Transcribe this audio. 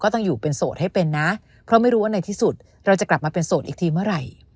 ที่สุดเราจะกลับมาเป็นโสดอีกทีเมื่อไหร่